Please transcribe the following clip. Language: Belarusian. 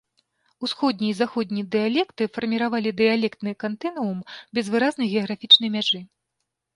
Усходні і заходні дыялекты фарміравалі дыялектны кантынуум без выразнай геаграфічнай мяжы.